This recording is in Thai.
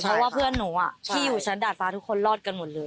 เพราะว่าเพื่อนหนูที่อยู่ชั้นดาดฟ้าทุกคนรอดกันหมดเลย